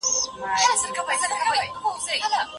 آیا ټن تر کیلوګرام ډېر وزن لري؟